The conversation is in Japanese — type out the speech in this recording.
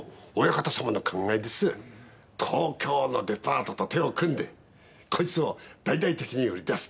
東京のデパートと手を組んでこいつを大々的に売り出すと。